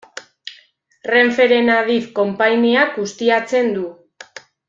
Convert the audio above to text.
Renferen Adif konpainiak ustiatzen du.